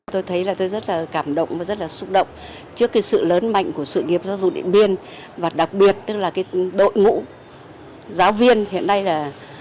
tôi thấy là tôi rất là cảm động và rất là xúc động trước cái sự lớn mạnh của sự nghiệp giáo dục điện biên và đặc biệt tức là cái đội ngũ giáo viên hiện nay là